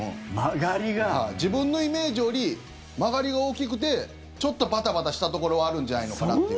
自分のイメージより曲がりが大きくてちょっとバタバタしたところはあるんじゃないのかなっていう。